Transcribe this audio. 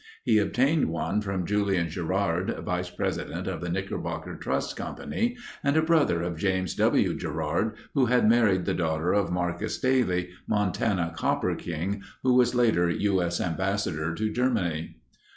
He obtained one from Julian Gerard, Vice President of the Knickerbocker Trust Company and a brother of James W. Gerard who had married the daughter of Marcus Daly, Montana copper king and who was later U.S. Ambassador to Germany.